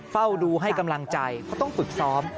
เฝ้าดูให้กำลังใจเขาต้องฝึกซ้อม